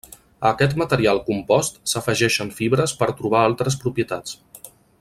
A aquest material compost s'afegeixen fibres per trobar altres propietats.